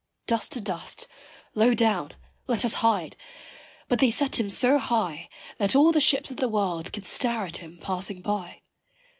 Dust to dust low down let us hide! but they set him so high That all the ships of the world could stare at him, passing by.